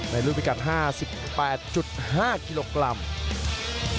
ในรุ่นประกัน๘๘๕กิโลกรัม